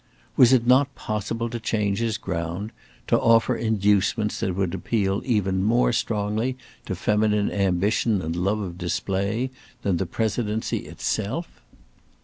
Was it not possible to change his ground; to offer inducements that would appeal even more strongly to feminine ambition and love of display than the Presidency itself?